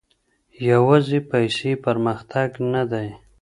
يوازي پيسې پرمختګ نه دی.